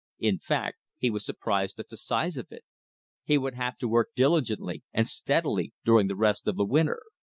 In fact he was surprised at the size of it. He would have to work diligently and steadily during the rest of the winter.